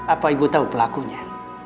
apa ibu tahu pelakunya